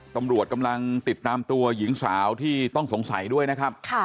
ตำรวจกำลังติดตามตัวหญิงสาวที่ต้องสงสัยด้วยนะครับ